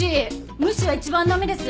無視は一番駄目です。